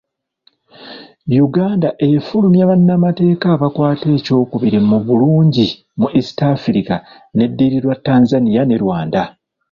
Uganda efulumya bannamateeka abakwata ekyokubiri mu bulungi mu East Africa n'eddirirwa Tanzania ne Rwanda.